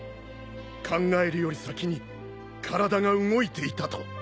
考えるより先に体が動いていたと。